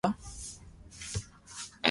آپرو ڪوم ڪرين گراڪني پيئا ليوا